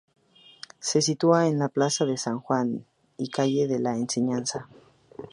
Se sitúa en la Plaza de San Juan y calle de la Enseñanza.